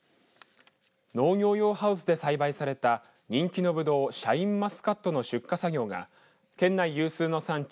農業用ハウスで栽培された人気のぶどう、シャインマスカットの出荷作業が県内有数の産地